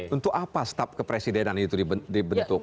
untuk apa staf kepresidenan itu dibentuk